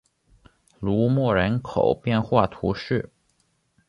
卢莫人口变化图示